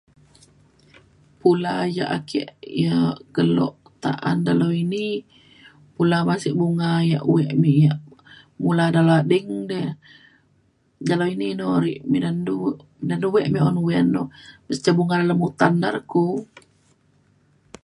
pula yak ake yak kelo ta’an dalau ini pula ban se bunga yak wek me yak mula dalau ading de. dalau ini inu re midan du midan du wek me uyan nu le ca bunga dalem utan de re ku.